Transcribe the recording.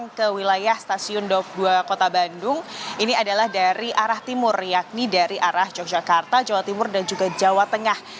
yang ke wilayah stasiun dof dua kota bandung ini adalah dari arah timur yakni dari arah yogyakarta jawa timur dan juga jawa tengah